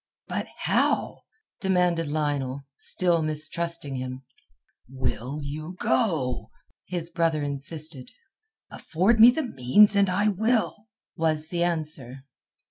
"But how?" demanded Lionel, still mistrusting him. "Will you go?" his brother insisted. "Afford me the means and I will," was the answer.